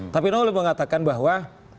tapi nolly mengatakan bahwa